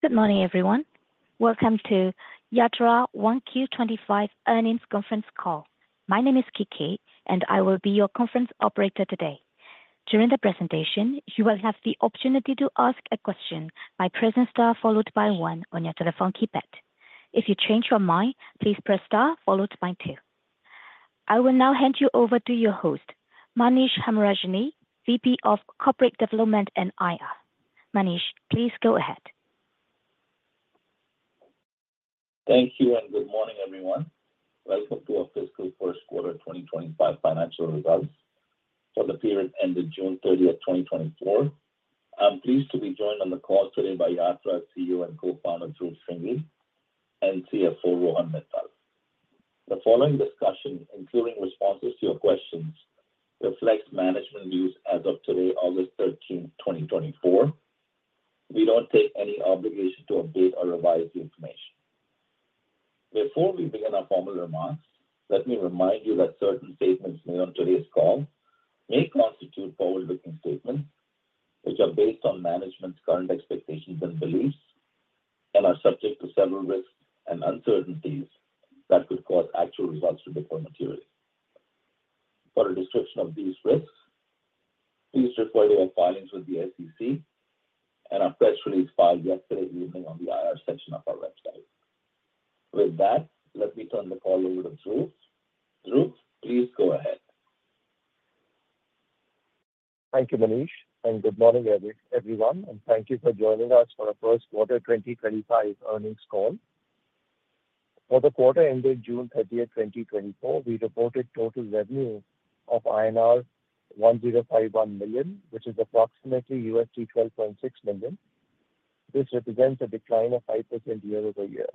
Good morning, everyone. Welcome to Yatra 1Q25 earnings conference call. My name is Kiki, and I will be your conference operator today. During the presentation, you will have the opportunity to ask a question by pressing star followed by one on your telephone keypad. If you change your mind, please press star followed by two. I will now hand you over to your host, Manish Hemrajani, VP of Corporate Development and IR. Manish, please go ahead. Thank you, and good morning, everyone. Welcome to our Fiscal First Quarter 2025 Financial Results for the period ended June 30, 2024. I'm pleased to be joined on the call today by Yatra's CEO and Co-founder, Dhruv Shringi, and CFO, Rohan Mittal. The following discussion, including responses to your questions, reflects management views as of today, August 13, 2024. We don't take any obligation to update or revise the information. Before we begin our formal remarks, let me remind you that certain statements made on today's call may constitute forward-looking statements, which are based on management's current expectations and beliefs and are subject to several risks and uncertainties that could cause actual results to differ materially. For a description of these risks, please refer to our filings with the SEC and our press release filed yesterday evening on the IR section of our website. With that, let me turn the call over to Dhruv. Dhruv, please go ahead. Thank you, Manish, and good morning, everyone, and thank you for joining us for our First Quarter 2025 earnings call. For the quarter ended June 30, 2024, we reported total revenue of INR 1,051 million, which is approximately $12.6 million. This represents a decline of 5% year-over-year.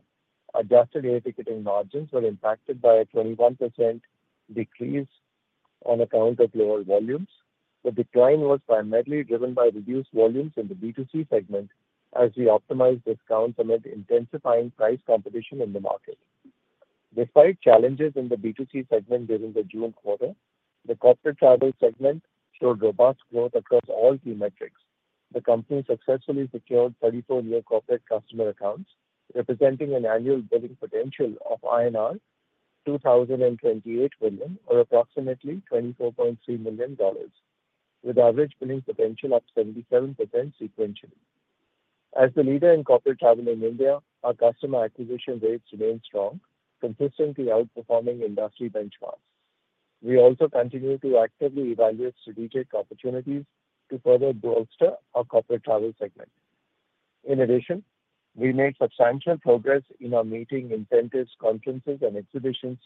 Adjusted air ticketing margins were impacted by a 21% decrease on account of lower volumes. The decline was primarily driven by reduced volumes in the B2C segment as we optimized discounts amid intensifying price competition in the market. Despite challenges in the B2C segment during the June quarter, the corporate travel segment showed robust growth across all key metrics. The company successfully secured 34 new corporate customer accounts, representing an annual billing potential of INR 2,028 million or approximately $24.3 million, with average billing potential up 77% sequentially. As the leader in corporate travel in India, our customer acquisition rates remain strong, consistently outperforming industry benchmarks. We also continue to actively evaluate strategic opportunities to further bolster our corporate travel segment. In addition, we made substantial progress in our Meetings, Incentives, Conferences, and Exhibitions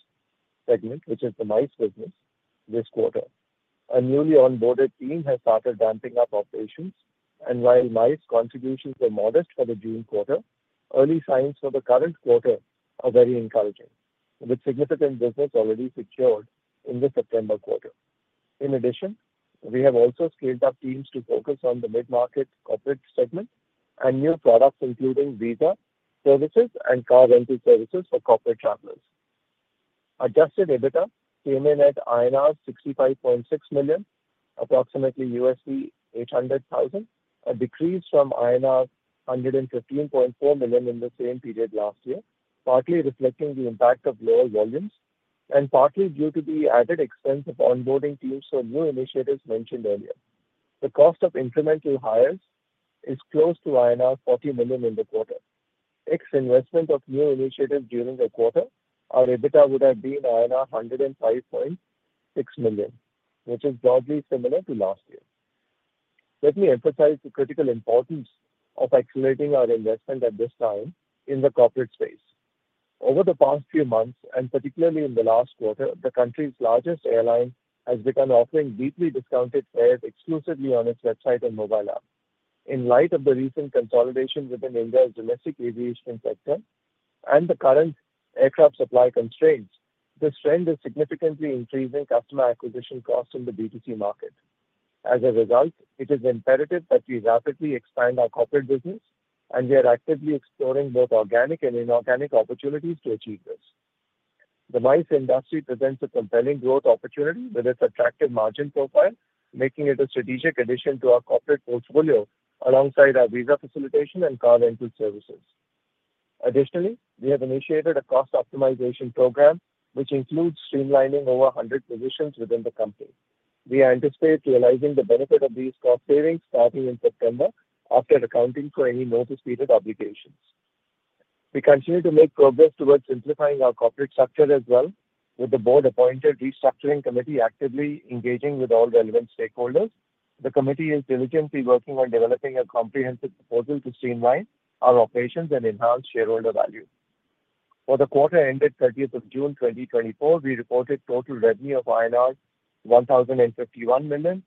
segment, which is the MICE business, this quarter. A newly onboarded team has started ramping up operations, and while MICE contributions were modest for the June quarter, early signs for the current quarter are very encouraging, with significant business already secured in the September quarter. In addition, we have also scaled up teams to focus on the mid-market corporate segment and new products, including visa services and car rental services for corporate travelers. Adjusted EBITDA came in at INR 65.6 million, approximately $800,000, a decrease from INR 115.4 million in the same period last year, partly reflecting the impact of lower volumes and partly due to the added expense of onboarding teams for new initiatives mentioned earlier. The cost of incremental hires is close to INR 40 million in the quarter. Ex investment of new initiatives during the quarter, our EBITDA would have been 105.6 million, which is broadly similar to last year. Let me emphasize the critical importance of accelerating our investment at this time in the corporate space. Over the past few months, and particularly in the last quarter, the country's largest airline has begun offering deeply discounted fares exclusively on its website and mobile app. In light of the recent consolidation within India's domestic aviation sector and the current aircraft supply constraints, this trend is significantly increasing customer acquisition costs in the B2C market. As a result, it is imperative that we rapidly expand our corporate business, and we are actively exploring both organic and inorganic opportunities to achieve this. The MICE industry presents a compelling growth opportunity with its attractive margin profile, making it a strategic addition to our corporate portfolio alongside our visa facilitation and car rental services. Additionally, we have initiated a cost optimization program, which includes streamlining over 100 positions within the company. We anticipate realizing the benefit of these cost savings starting in September, after accounting for any notice period obligations. We continue to make progress towards simplifying our corporate structure as well, with the board-appointed Restructuring Committee actively engaging with all relevant stakeholders. The committee is diligently working on developing a comprehensive proposal to streamline our operations and enhance shareholder value. For the quarter ended 30th of June 2024, we reported total revenue of INR 1,051 million,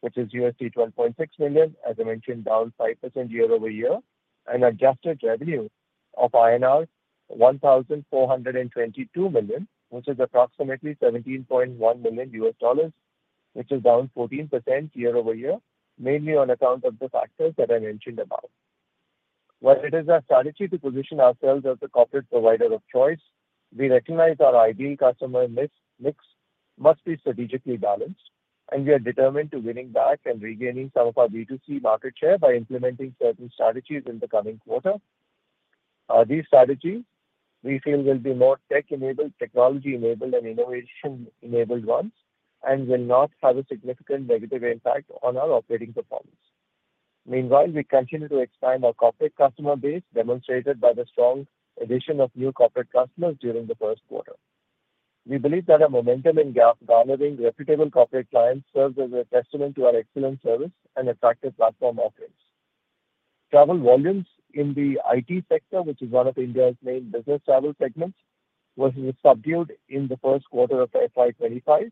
which is $12.6 million, as I mentioned, down 5% year-over-year, and adjusted revenue of INR 1,422 million, which is approximately $17.1 million, which is down 14% year-over-year, mainly on account of the factors that I mentioned above. While it is our strategy to position ourselves as a corporate provider of choice, we recognize our ideal customer mix. Must be strategically balanced, and we are determined to winning back and regaining some of our B2C market share by implementing certain strategies in the coming quarter. These strategies we feel will be more tech-enabled, technology-enabled and innovation-enabled ones, and will not have a significant negative impact on our operating performance. Meanwhile, we continue to expand our corporate customer base, demonstrated by the strong addition of new corporate customers during the first quarter. We believe that our momentum in garnering reputable corporate clients serves as a testament to our excellent service and attractive platform offerings. Travel volumes in the IT sector, which is one of India's main business travel segments, was subdued in the first quarter of FY 25.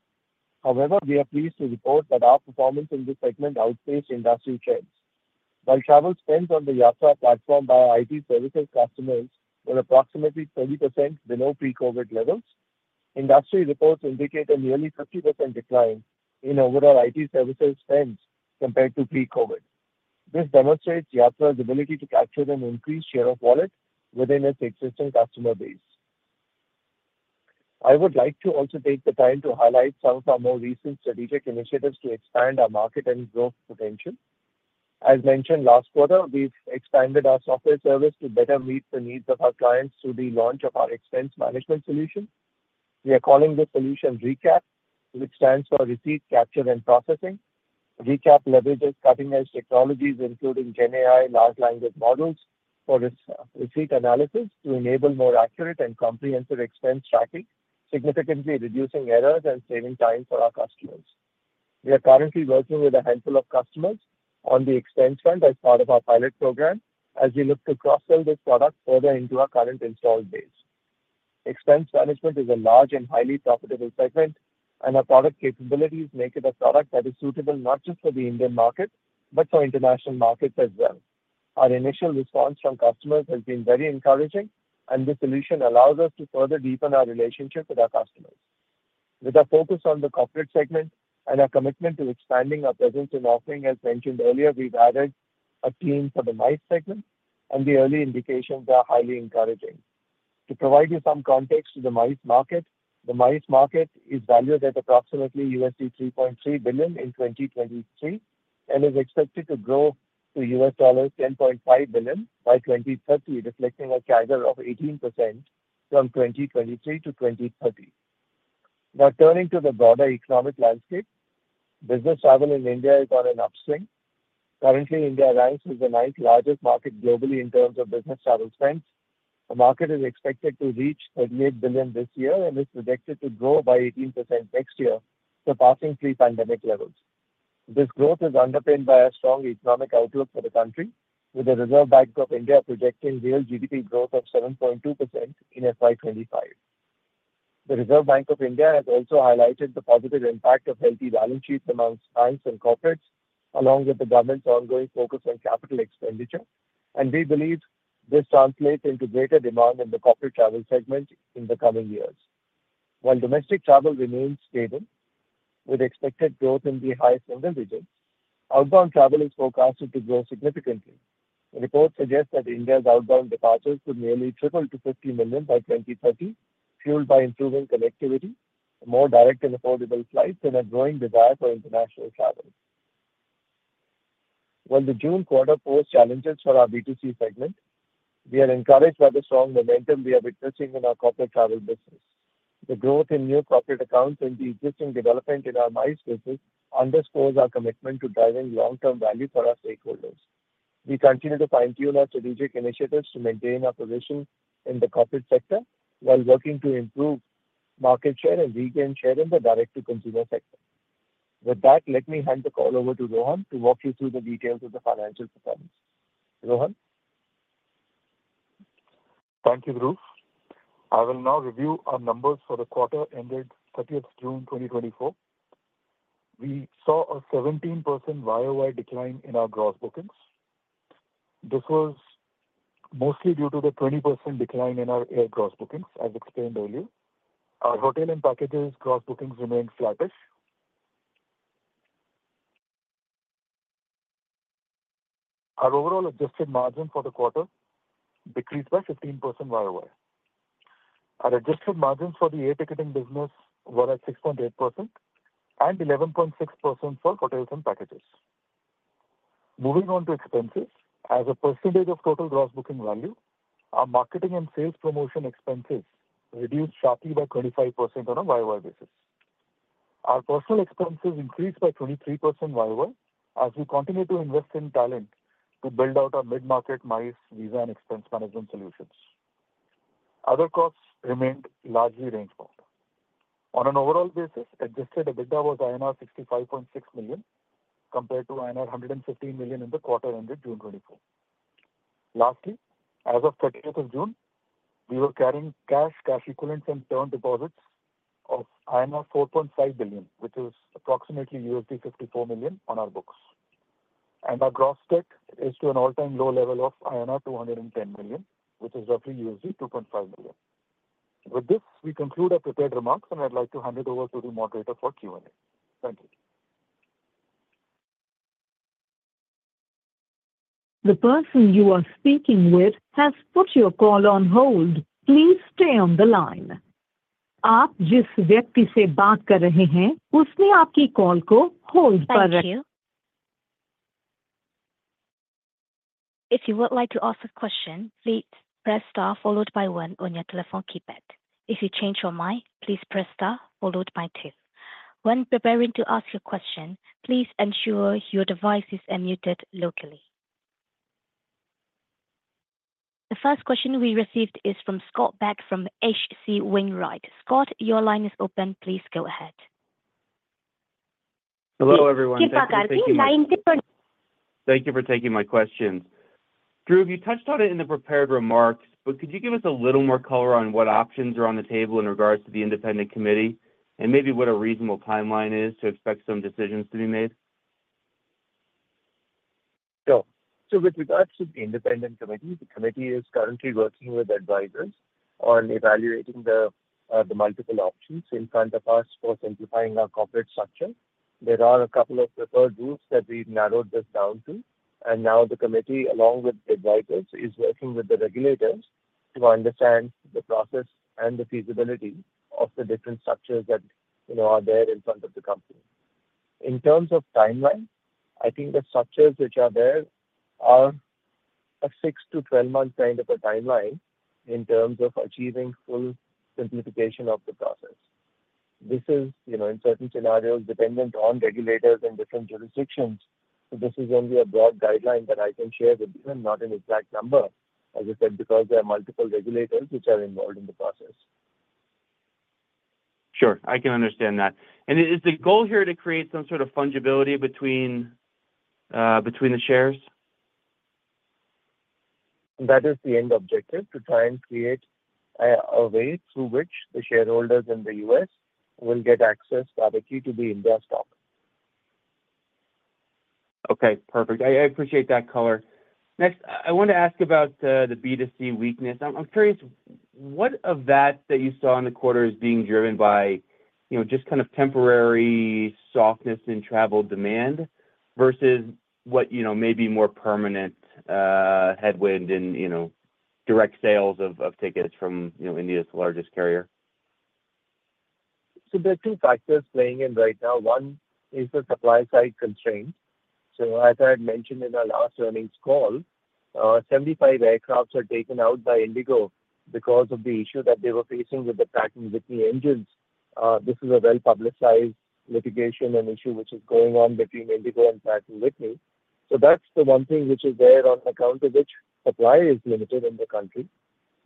However, we are pleased to report that our performance in this segment outpaced industry trends. While travel spends on the Yatra platform by our IT services customers were approximately 30% below pre-COVID levels, industry reports indicate a nearly 50% decline in overall IT services spends compared to pre-COVID. This demonstrates Yatra's ability to capture an increased share of wallet within its existing customer base. I would like to also take the time to highlight some of our more recent strategic initiatives to expand our market and growth potential. As mentioned last quarter, we've expanded our software service to better meet the needs of our clients through the launch of our expense management solution. We are calling this solution RECAP, which stands for Receipt Capture and Processing. RECAP leverages cutting-edge technologies, including GenAI large language models, for its receipt analysis to enable more accurate and comprehensive expense tracking, significantly reducing errors and saving time for our customers. We are currently working with a handful of customers on the expense front as part of our pilot program, as we look to cross-sell this product further into our current installed base. Expense management is a large and highly profitable segment, and our product capabilities make it a product that is suitable not just for the Indian market, but for international markets as well. Our initial response from customers has been very encouraging, and this solution allows us to further deepen our relationship with our customers. With our focus on the corporate segment and our commitment to expanding our presence and offering, as mentioned earlier, we've added a team for the MICE segment, and the early indications are highly encouraging. To provide you some context to the MICE market, the MICE market is valued at approximately $3.3 billion in 2023, and is expected to grow to $10.5 billion by 2030, reflecting a CAGR of 18% from 2023-2030. Now, turning to the broader economic landscape. Business travel in India is on an upswing. Currently, India ranks as the ninth-largest market globally in terms of business travel spends. The market is expected to reach $38 billion this year and is projected to grow by 18% next year, surpassing pre-pandemic levels. This growth is underpinned by a strong economic outlook for the country, with the Reserve Bank of India projecting real GDP growth of 7.2% in FY 2025. The Reserve Bank of India has also highlighted the positive impact of healthy balance sheets among clients and corporates, along with the government's ongoing focus on capital expenditure. We believe this translates into greater demand in the corporate travel segment in the coming years. While domestic travel remains stable, with expected growth in the high single digits, outbound travel is forecasted to grow significantly. Reports suggest that India's outbound departures could nearly triple to 50 million by 2030, fueled by improving connectivity, more direct and affordable flights, and a growing desire for international travel. While the June quarter posed challenges for our B2C segment, we are encouraged by the strong momentum we are witnessing in our corporate travel business. The growth in new corporate accounts and the existing development in our MICE business underscores our commitment to driving long-term value for our stakeholders. We continue to fine-tune our strategic initiatives to maintain our position in the corporate sector while working to improve market share and regain share in the direct-to-consumer sector. With that, let me hand the call over to Rohan to walk you through the details of the financial performance. Rohan? Thank you, Dhruv. I will now review our numbers for the quarter ended 30 June 2024. We saw a 17% YOY decline in our gross bookings. This was mostly due to the 20% decline in our air gross bookings, as explained earlier. Our hotel and packages gross bookings remained flattish. Our overall adjusted margin for the quarter decreased by 15% YOY. Our adjusted margins for the air ticketing business were at 6.8% and 11.6% for hotels and packages. Moving on to expenses. As a percentage of total gross booking value, our marketing and sales promotion expenses reduced sharply by 25% on a YOY basis. Our personnel expenses increased by 23% YOY as we continue to invest in talent to build out our mid-market MICE, visa, and expense management solutions. Other costs remained largely range-bound. On an overall basis, adjusted EBITDA was INR 65.6 million, compared to INR 150 million in the quarter ended June 2024. Lastly, as of 30th of June, we were carrying cash, cash equivalents, and term deposits of 4.5 billion, which is approximately $54 million on our books. Our gross debt is at an all-time low level of INR 210 million, which is roughly $2.5 million. With this, we conclude our prepared remarks, and I'd like to hand it over to the moderator for Q&A. Thank you. The person you are speaking with has put your call on hold. Please stay on the line. Thank you. If you would like to ask a question, please press star followed by one on your telephone keypad. If you change your mind, please press star followed by two. When preparing to ask your question, please ensure your device is unmuted locally. The first question we received is from Scott Buck, from H.C. Wainwright. Scott, your line is open. Please go ahead. Hello, everyone. Thank you for taking my question. Dhruv, you touched on it in the prepared remarks, but could you give us a little more color on what options are on the table in regards to the independent committee? And maybe what a reasonable timeline is to expect some decisions to be made? Sure. So with regards to the independent committee, the committee is currently working with advisors on evaluating the multiple options in front of us for simplifying our corporate structure. There are a couple of preferred groups that we've narrowed this down to, and now the committee, along with the advisors, is working with the regulators to understand the process and the feasibility of the different structures that, you know, are there in front of the company. In terms of timeline, I think the structures which are there are a 6-12 month kind of a timeline in terms of achieving full simplification of the process. This is, you know, in certain scenarios, dependent on regulators in different jurisdictions, so this is only a broad guideline that I can share with you, and not an exact number, as I said, because there are multiple regulators which are involved in the process. Sure, I can understand that. And is the goal here to create some sort of fungibility between, between the shares? That is the end objective, to try and create a way through which the shareholders in the U.S. will get access directly to the India stock. Okay, perfect. I appreciate that color. Next, I want to ask about the B2C weakness. I'm curious, what of that you saw in the quarter is being driven by, you know, just kind of temporary softness in travel demand versus what, you know, may be more permanent headwind in, you know, direct sales of tickets from, you know, India's largest carrier? So there are two factors playing in right now. One is the supply side constraint. So as I had mentioned in our last earnings call, 75 aircraft were taken out by IndiGo because of the issue that they were facing with the Pratt & Whitney engines. This is a well-publicized litigation and issue which is going on between IndiGo and Pratt & Whitney. So that's the one thing which is there on account of which supply is limited in the country.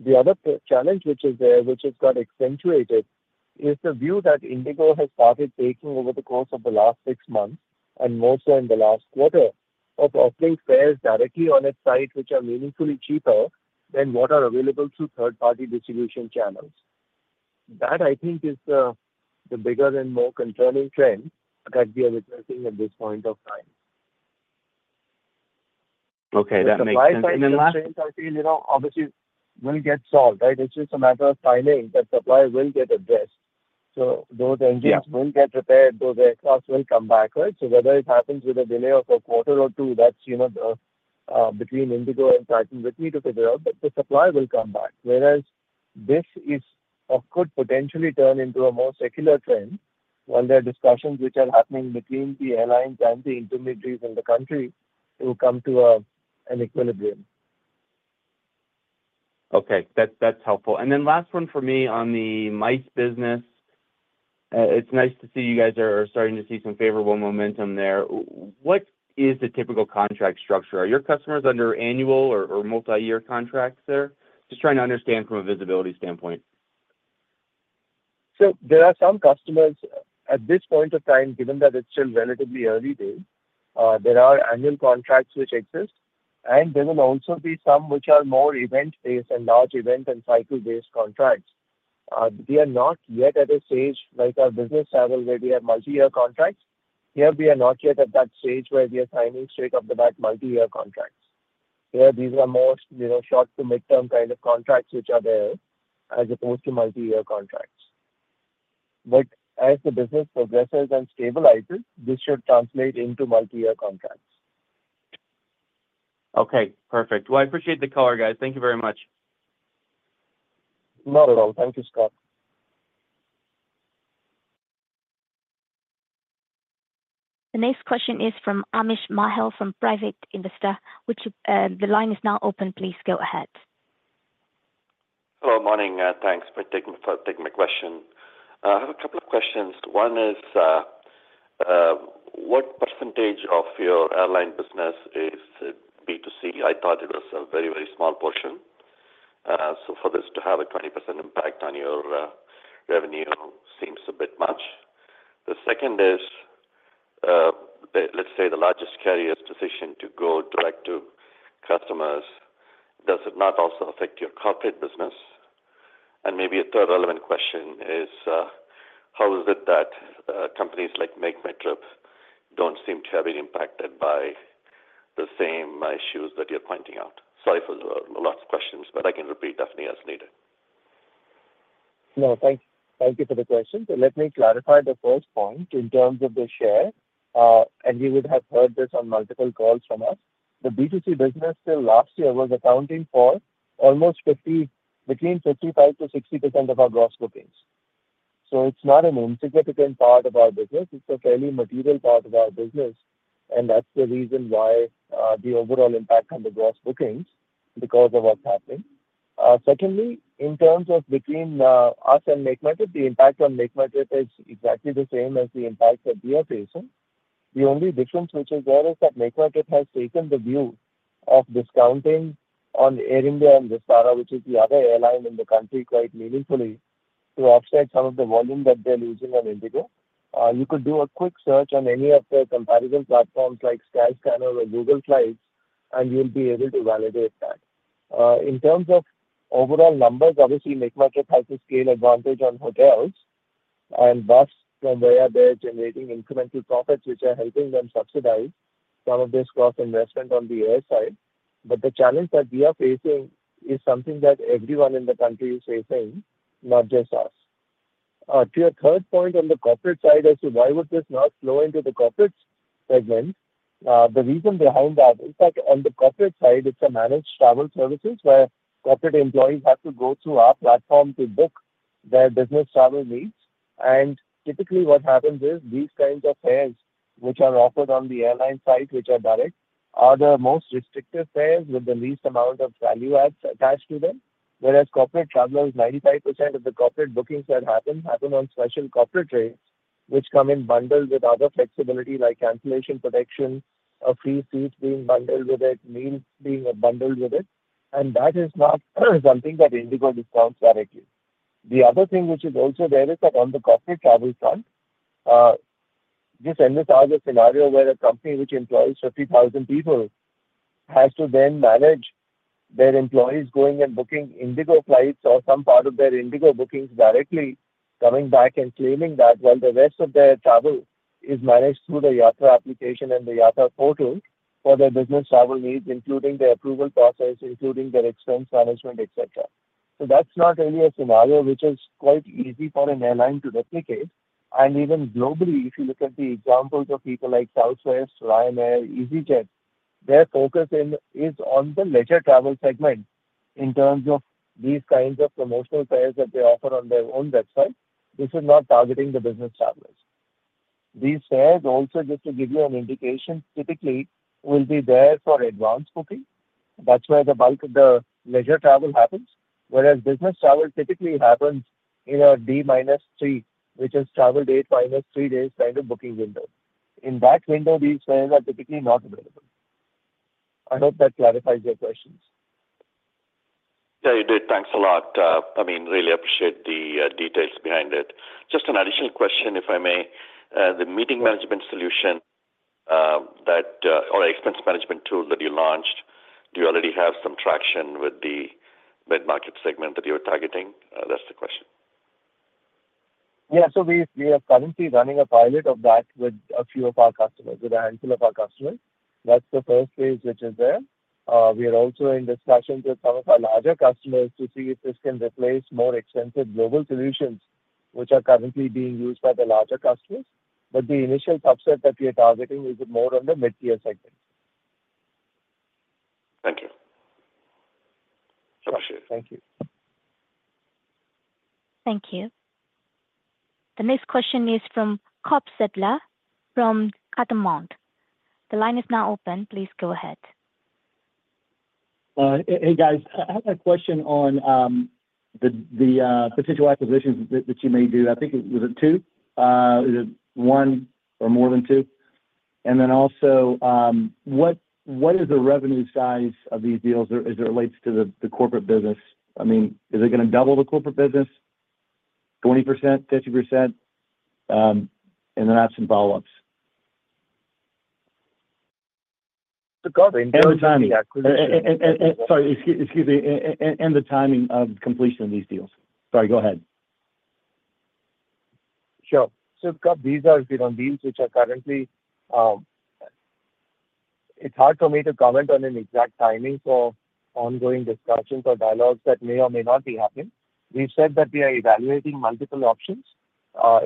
The other challenge which is there, which has got accentuated, is the view that IndiGo has started taking over the course of the last six months, and more so in the last quarter, of offering fares directly on its site, which are meaningfully cheaper than what are available through third-party distribution channels. That, I think, is the bigger and more concerning trend that we are witnessing at this point of time. Okay, that makes sense. And then last- I feel, you know, obviously will get solved, right? It's just a matter of timing, but supply will get addressed. So those engines- Yeah... will get repaired, those aircrafts will come back, right? So whether it happens with a delay of a quarter or two, that's, you know, between IndiGo and Pratt & Whitney to figure out, but the supply will come back. Whereas this is, or could potentially turn into a more secular trend when there are discussions which are happening between the airlines and the intermediaries in the country to come to, an equilibrium. Okay. That's, that's helpful. And then last one for me on the MICE business. It's nice to see you guys are, are starting to see some favorable momentum there. What is the typical contract structure? Are your customers under annual or, or multi-year contracts there? Just trying to understand from a visibility standpoint. So there are some customers at this point of time, given that it's still relatively early days, there are annual contracts which exist, and there will also be some which are more event-based and large event and cycle-based contracts. We are not yet at a stage, like our business travel, where we have multi-year contracts. Here we are not yet at that stage where we are signing straight-off-the-back multi-year contracts. Yeah, these are more, you know, short to mid-term kind of contracts which are there, as opposed to multi-year contracts. But as the business progresses and stabilizes, this should translate into multi-year contracts. Okay, perfect. Well, I appreciate the color, guys. Thank you very much. Not at all. Thank you, Scott. The next question is from Amish Mahal, from Private Investor. The line is now open. Please go ahead. Hello, morning, thanks for taking my question. I have a couple of questions. One is, what percentage of your airline business is B2C? I thought it was a very, very small portion. So for this to have a 20% impact on your revenue seems a bit much. The second is, let's say the largest carrier's decision to go direct to customers, does it not also affect your corporate business? And maybe a third relevant question is, how is it that companies like MakeMyTrip don't seem to have been impacted by the same issues that you're pointing out? Sorry for the lots of questions, but I can repeat definitely as needed. No, thank, thank you for the question. So let me clarify the first point in terms of the share, and you would have heard this on multiple calls from us. The B2C business till last year was accounting for almost 50, between 55%-60% of our gross bookings. So it's not an insignificant part of our business, it's a fairly material part of our business, and that's the reason why the overall impact on the gross bookings, because of what's happening. Secondly, in terms of between us and MakeMyTrip, the impact on MakeMyTrip is exactly the same as the impact that we are facing. The only difference, which is there, is that MakeMyTrip has taken the view of discounting on Air India and Vistara, which is the other airline in the country, quite meaningfully, to offset some of the volume that they're losing on IndiGo. You could do a quick search on any of the comparison platforms like Skyscanner or Google Flights, and you'll be able to validate that. In terms of overall numbers, obviously, MakeMyTrip has a scale advantage on hotels and bus, from where they're generating incremental profits, which are helping them subsidize some of this cross investment on the air side. But the challenge that we are facing is something that everyone in the country is facing, not just us. To your third point on the corporate side as to why would this not flow into the corporate segment? The reason behind that is that on the corporate side, it's a managed travel services, where corporate employees have to go through our platform to book their business travel needs. Typically, what happens is these kinds of fares, which are offered on the airline site, which are direct, are the most restrictive fares with the least amount of value adds attached to them. Whereas corporate travelers, 95% of the corporate bookings that happen, happen on special corporate trades, which come in bundled with other flexibility, like cancellation protection or free seats being bundled with it, meals being bundled with it, and that is not something that IndiGo discounts directly. The other thing which is also there is that on the corporate travel front, this entails a scenario where a company which employs 50,000 people has to then manage their employees going and booking IndiGo flights or some part of their IndiGo bookings directly, coming back and claiming that, while the rest of their travel is managed through the Yatra application and the Yatra portal for their business travel needs, including their approval process, including their expense management, et cetera. So that's not really a scenario which is quite easy for an airline to replicate. Even globally, if you look at the examples of people like Southwest, Ryanair, easyJet, their focus is on the leisure travel segment in terms of these kinds of promotional fares that they offer on their own website. This is not targeting the business travelers. These fares also, just to give you an indication, typically will be there for advanced booking. That's where the bulk of the leisure travel happens, whereas business travel typically happens in a D minus three, which is travel date minus three days kind of booking window. In that window, these fares are typically not available. I hope that clarifies your questions. Yeah, you did. Thanks a lot, I mean, really appreciate the details behind it. Just an additional question, if I may. The meeting management solution, that, or expense management tool that you launched, do you already have some traction with the mid-market segment that you are targeting? That's the question. Yeah, so we are currently running a pilot of that with a few of our customers, with a handful of our customers. That's the first phase, which is there. We are also in discussions with some of our larger customers to see if this can replace more expensive global solutions, which are currently being used by the larger customers. But the initial subset that we are targeting is more on the mid-tier segment. Thank you. Appreciate it. Thank you. Thank you. The next question is from Cobb Sadler from Catamount. The line is now open. Please go ahead. Hey, guys. I have a question on the potential acquisitions that you may do. I think it was 2? Is it one or more than two? And then also, what is the revenue size of these deals as it relates to the corporate business? I mean, is it gonna double the corporate business? 20%, 50%? And then I have some follow-ups. So, Cobb- The timing. The acquisition- Sorry, excuse me, and the timing of completion of these deals. Sorry, go ahead. Sure. So, Cobb, these are, you know, deals which are currently. It's hard for me to comment on an exact timing for ongoing discussions or dialogues that may or may not be happening. We've said that we are evaluating multiple options.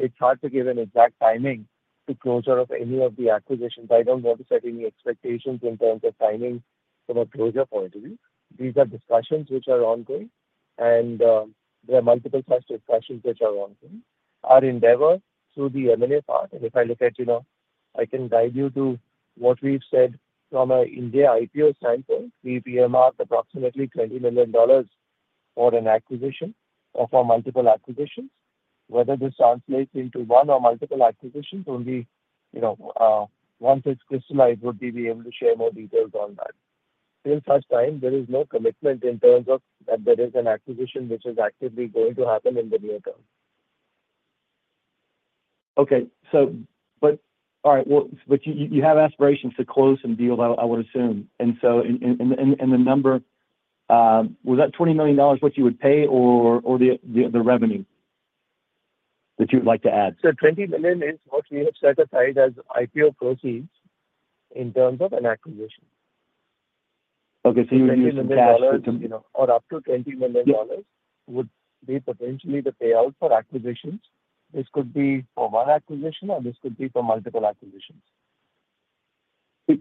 It's hard to give an exact timing to closure of any of the acquisitions. I don't want to set any expectations in terms of timing from a closure point of view. These are discussions which are ongoing, and there are multiple sets of discussions which are ongoing. Our endeavor through the M&A part, and if I look at, you know, I can guide you to what we've said from an India IPO standpoint, we've earmarked approximately $20 million for an acquisition or for multiple acquisitions. Whether this translates into one or multiple acquisitions, only, you know, once it's crystallized, would we be able to share more details on that. Till such time, there is no commitment in terms of that there is an acquisition which is actively going to happen in the near term. Okay, but you have aspirations to close some deals, I would assume. And so the number, was that $20 million what you would pay or the revenue that you'd like to add? $20 million is what we have set aside as IPO proceeds in terms of an acquisition.... Okay, so you would use the cash- You know, or up to $20 million- Yeah. Would be potentially the payout for acquisitions. This could be for one acquisition, or this could be for multiple acquisitions.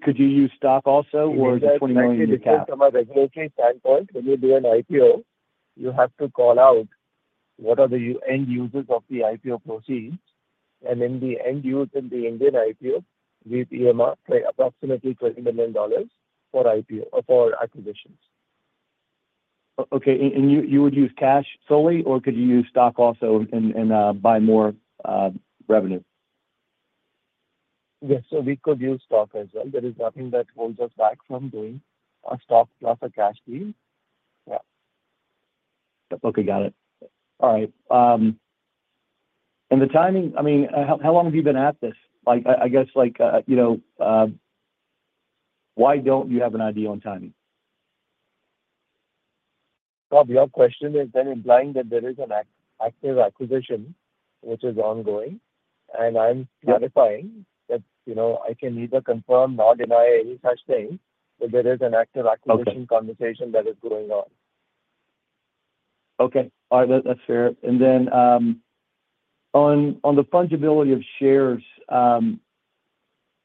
Could you use stock also, or is the $20 million the cap? From a regulatory standpoint, when you do an IPO, you have to call out what are the end users of the IPO proceeds, and then the end users in the Indian IPO, with EMR, approximately $20 million for IPO, for acquisitions. Okay, and you would use cash solely, or could you use stock also and buy more revenue? Yes. So we could use stock as well. There is nothing that holds us back from doing a stock plus a cash deal. Yeah. Okay, got it. All right, and the timing, I mean, how long have you been at this? Like, I guess, like, you know, why don't you have an idea on timing? Cobb, your question is then implying that there is an active acquisition which is ongoing, and I'm- Yeah... clarifying that, you know, I can neither confirm nor deny any such thing, that there is an active acquisition- Okay... conversation that is going on. Okay. All right. That, that's fair. And then, on the fungibility of shares,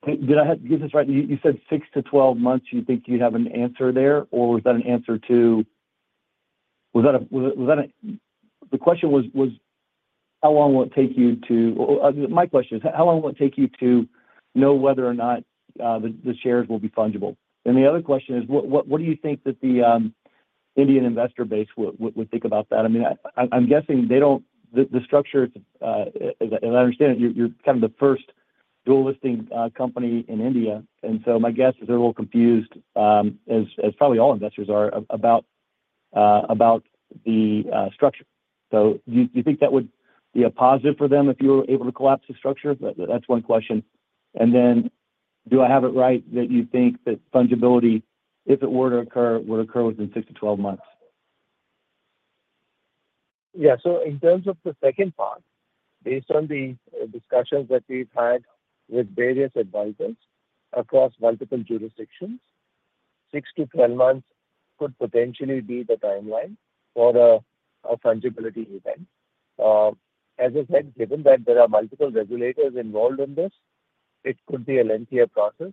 did I get this right? You said 6-12 months, you think you'd have an answer there, or was that an answer to... Was that a. The question was how long will it take you to, or my question is, how long will it take you to know whether or not the shares will be fungible? Then the other question is, what do you think that the Indian investor base would think about that? I mean, I'm guessing they don't-- the structure, as I understand it, you're kind of the first dual listing company in India, and so my guess is they're all confused, as probably all investors are about, about the structure. So do you think that would be a positive for them if you were able to collapse the structure? That's one question. And then, do I have it right that you think that fungibility, if it were to occur, would occur within 6-12 months? Yeah. So in terms of the second part, based on the discussions that we've had with various advisors across multiple jurisdictions, 6-12 months could potentially be the timeline for a fungibility event. As I said, given that there are multiple regulators involved in this, it could be a lengthier process,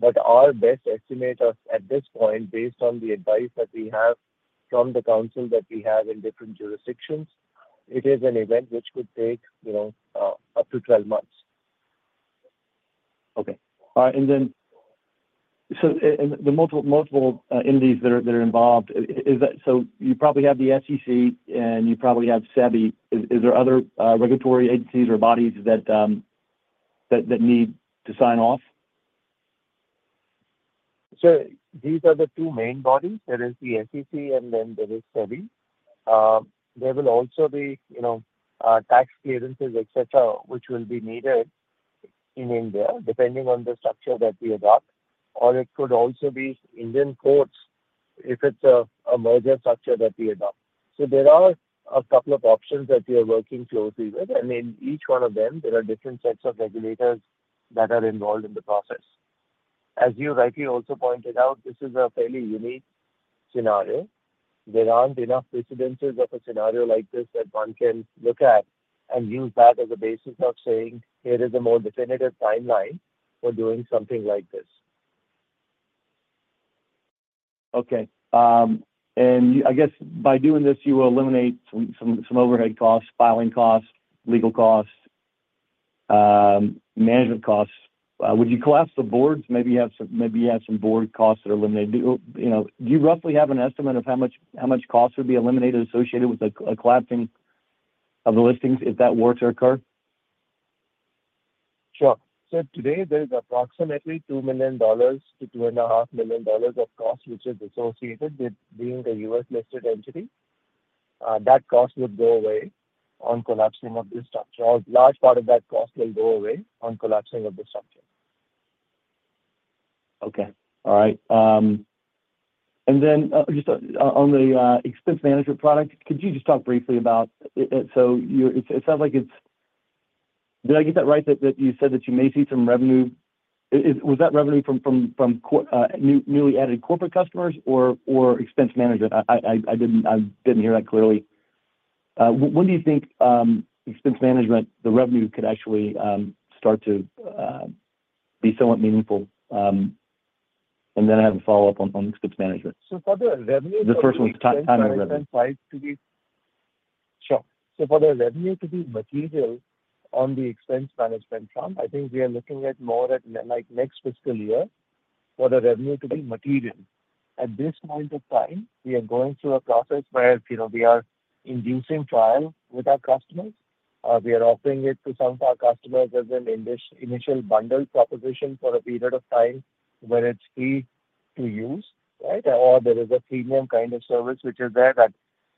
but our best estimate at this point, based on the advice that we have from the counsel that we have in different jurisdictions, it is an event which could take, you know, up to 12 months. Okay. And the multiple entities that are involved, is that. So you probably have the SEC, and you probably have SEBI. Is there other regulatory agencies or bodies that need to sign off? So these are the two main bodies. There is the SEC, and then there is SEBI. There will also be, you know, tax clearances, et cetera, which will be needed in India, depending on the structure that we adopt, or it could also be Indian courts, if it's a merger structure that we adopt. So there are a couple of options that we are working closely with, and in each one of them, there are different sets of regulators that are involved in the process. As you rightly also pointed out, this is a fairly unique scenario. There aren't enough precedents of a scenario like this that one can look at and use that as a basis of saying, "Here is a more definitive timeline for doing something like this. Okay, and I guess by doing this, you will eliminate some overhead costs, filing costs, legal costs, management costs. Would you collapse the boards? Maybe you have some board costs that are eliminated. Do you know, do you roughly have an estimate of how much costs would be eliminated, associated with the collapsing of the listings if that were to occur? Sure. So today, there is approximately $2 million-$2.5 million of costs, which is associated with being a U.S.-listed entity. That cost would go away on collapsing of this structure, or large part of that cost will go away on collapsing of this structure. Okay. All right, and then, just on the expense management product, could you just talk briefly about... So you're, it sounds like it's... Did I get that right, that you said that you may see some revenue? Is, was that revenue from new, newly added corporate customers or expense management? I didn't hear that clearly. When do you think expense management, the revenue could actually start to be somewhat meaningful? And then I have a follow-up on expense management. For the revenue- The first one is timing revenue. Sure. So for the revenue to be material on the expense management front, I think we are looking at more at, like, next fiscal year for the revenue to be material. At this point in time, we are going through a process where, you know, we are inducing trial with our customers. We are offering it to some of our customers as an initial bundle proposition for a period of time where it's free to use, right? Or there is a premium kind of service, which is there, that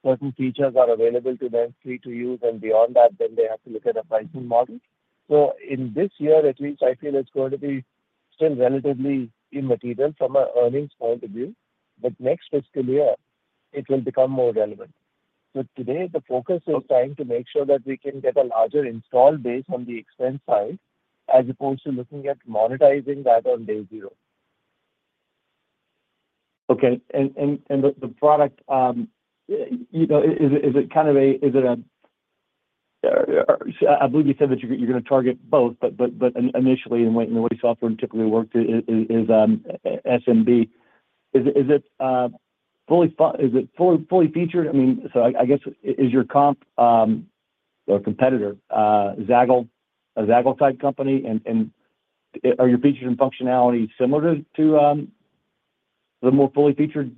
certain features are available to them, free to use, and beyond that, then they have to look at a pricing model. So in this year, at least, I feel it's going to be still relatively immaterial from an earnings point of view, but next fiscal year it will become more relevant. Today, the focus is trying to make sure that we can get a larger install base on the expense side, as opposed to looking at monetizing that on day zero. Okay, and the product, you know, is it kind of a—is it a, I believe you said that you're gonna target both, but initially, and the way software typically worked is SMB. Is it fully featured? I mean, so I guess, is your competitor Zaggle a Zaggle type company? And are your features and functionality similar to the more fully featured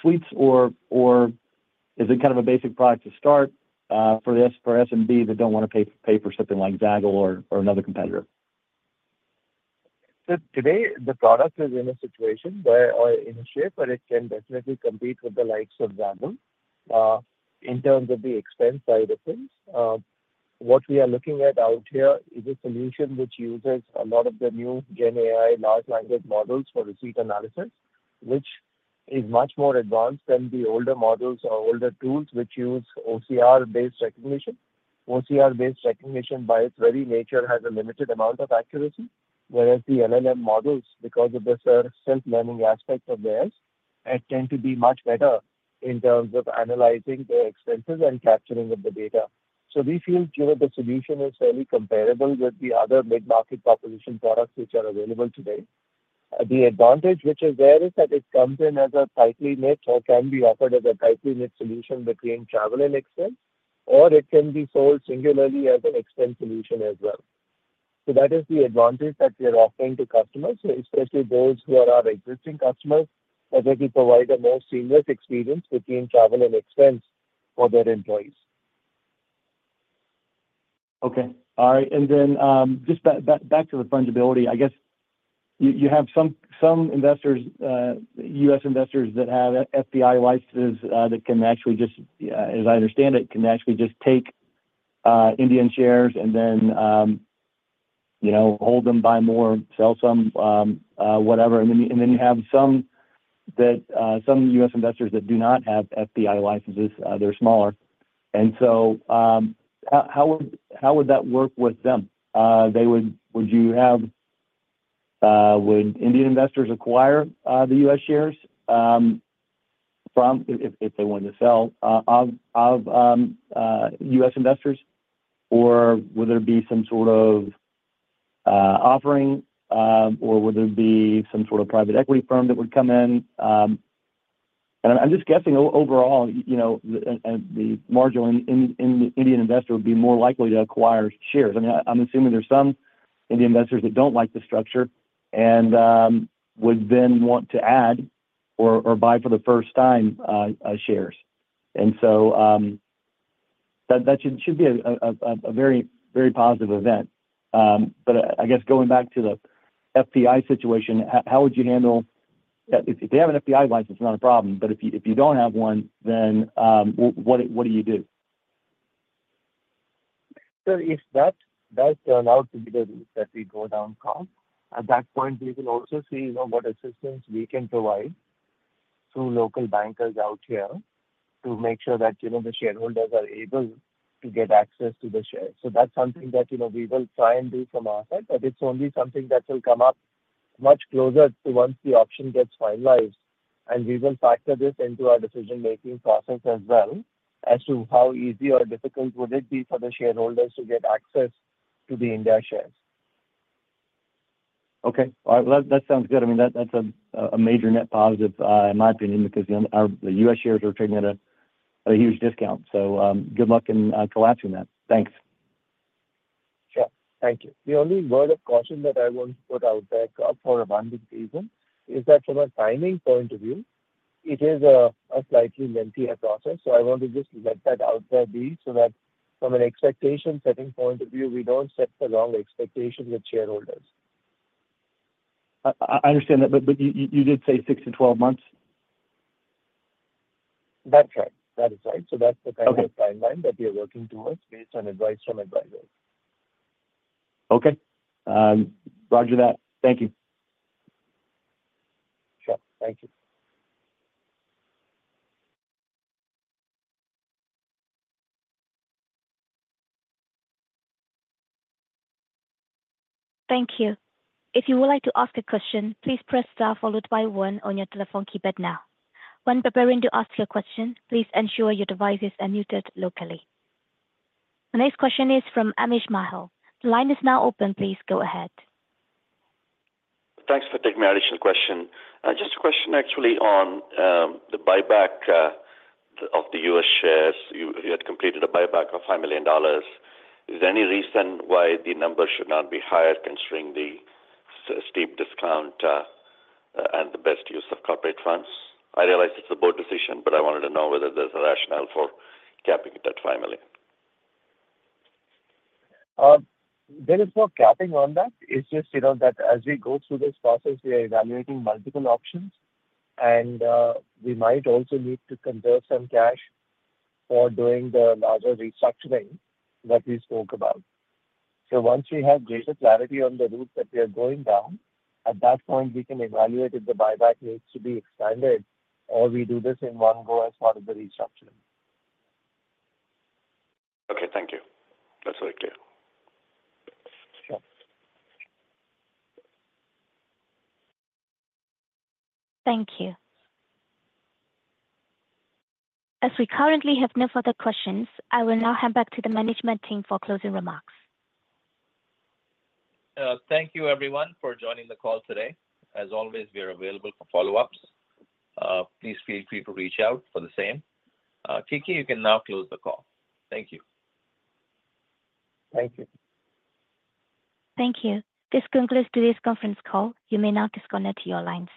suites? Or is it kind of a basic product to start for SMB that don't want to pay for something like Zaggle or another competitor? Today, the product is in a situation where... or in a shape where it can definitely compete with the likes of Zaggle in terms of the expense side of things. What we are looking at out here is a solution which uses a lot of the new GenAI large language models for receipt analysis, which is much more advanced than the older models or older tools, which use OCR-based recognition. OCR-based recognition, by its very nature, has a limited amount of accuracy, whereas the LLM models, because of their self-learning aspects of theirs, tend to be much better in terms of analyzing the expenses and capturing of the data. So we feel, you know, the solution is fairly comparable with the other mid-market proposition products which are available today. The advantage which is there is that it comes in as a tightly knit, or can be offered as a tightly knit solution between travel and expense, or it can be sold singularly as an expense solution as well. That is the advantage that we are offering to customers, especially those who are our existing customers, that they can provide a more seamless experience between travel and expense for their employees. Okay. All right, and then, just back to the fungibility. I guess you have some investors, U.S. investors that have FPI licenses, that can actually just, as I understand it, can actually just take Indian shares and then, you know, hold them, buy more, sell some, whatever. And then you have some that, some U.S. investors that do not have FPI licenses, they're smaller. And so, how would that work with them? They would. Would you have, would Indian investors acquire the U.S. shares from, if they wanted to sell, of U.S. investors? Or would there be some sort of offering, or would there be some sort of private equity firm that would come in? And I'm just guessing overall, you know, the marginal Indian investor would be more likely to acquire shares. I mean, I'm assuming there are some Indian investors that don't like the structure and would then want to add or buy for the first time shares. And so, that should be a very positive event. But I guess going back to the SEBI situation, how would you handle? If they have a SEBI license, it's not a problem, but if you don't have one, then what do you do? So if that does turn out to be the route that we go down, at that point, we will also see, you know, what assistance we can provide through local bankers out here to make sure that, you know, the shareholders are able to get access to the shares. So that's something that, you know, we will try and do from our side, but it's only something that will come up much closer to once the option gets finalized. And we will factor this into our decision-making process as well, as to how easy or difficult would it be for the shareholders to get access to the India shares. Okay. All right. That sounds good. I mean, that's a major net positive, in my opinion, because our U.S. shares are trading at a huge discount. So, good luck in collapsing that. Thanks. Sure. Thank you. The only word of caution that I want to put out there, for abundant reason, is that from a timing point of view, it is a slightly lengthier process. So I want to just let that out there, so that from an expectation setting point of view, we don't set the wrong expectations with shareholders. I understand that, but you did say 6-12 months? That's right. That is right. Okay. That's the kind of timeline that we are working toward, based on advice from advisors. Okay, roger that. Thank you. Sure. Thank you. Thank you. If you would like to ask a question, please press star followed by one on your telephone keypad now. When preparing to ask your question, please ensure your devices are muted locally. The next question is from Amish Mahal. The line is now open, please go ahead. Thanks for taking my additional question. Just a question actually on the buyback of the U.S. shares. You, you had completed a buyback of $5 million. Is there any reason why the number should not be higher, considering the steep discount and the best use of corporate funds? I realize it's a board decision, but I wanted to know whether there's a rationale for capping it at $5 million. There is no capping on that. It's just, you know, that as we go through this process, we are evaluating multiple options, and we might also need to conserve some cash for doing the larger restructuring that we spoke about. So once we have greater clarity on the route that we are going down, at that point, we can evaluate if the buyback needs to be expanded, or we do this in one go as part of the restructuring. Okay, thank you. That's very clear. Sure. Thank you. As we currently have no further questions, I will now hand back to the management team for closing remarks. Thank you, everyone, for joining the call today. As always, we are available for follow-ups. Please feel free to reach out for the same. Kiki, you can now close the call. Thank you. Thank you. Thank you. This concludes today's conference call. You may now disconnect your lines.